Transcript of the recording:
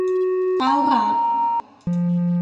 เต้ารับ